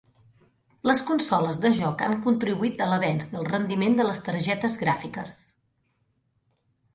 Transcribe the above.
Les consoles de joc han contribuït a l'avenç del rendiment de les targetes gràfiques.